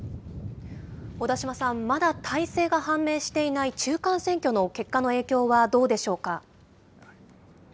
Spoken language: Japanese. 小田島さん、まだ大勢が判明していない中間選挙の結果の影響はどうでしょうか。